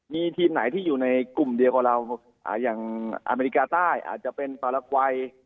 มีทีมไหนที่อยู่ในกลุ่มเดียวกับเราอย่างอเมริกาใต้อาจจะเป็นฟารกวัย